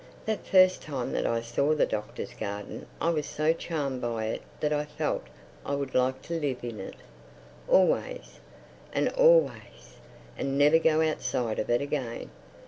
That first time that I saw the Doctor's garden I was so charmed by it that I felt I would like to live in it—always and always—and never go outside of it again.